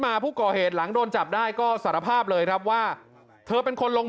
มาผู้ก่อเหตุหลังโดนจับได้ก็สารภาพเลยครับว่าเธอเป็นคนลง